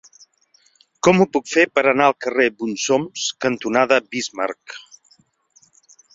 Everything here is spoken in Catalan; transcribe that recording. Com ho puc fer per anar al carrer Bonsoms cantonada Bismarck?